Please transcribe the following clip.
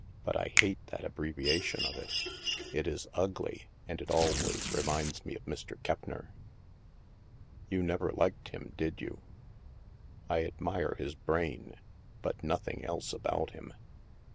But I hate that abbrevia tion of it. It is ugly, and it always reminds me of Mr. Keppner/' " You never liked him, did you ?"" I admire his brain, but nothing else about him.''